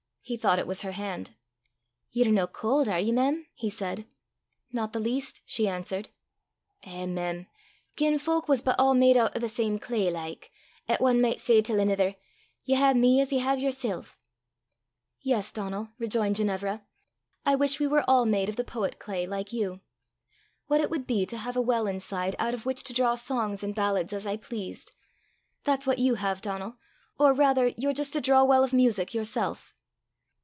He thought it was her hand. "Ye're no caul', are ye, mem?" he said. "Not the least," she answered. "Eh, mem! gien fowk was but a' made oot o' the same clay, like, 'at ane micht say till anither 'Ye hae me as ye hae yersel''!" "Yes, Donal," rejoined Ginevra; "I wish we were all made of the poet clay like you! What it would be to have a well inside, out of which to draw songs and ballads as I pleased! That's what you have, Donal or, rather, you're just a draw well of music yourself."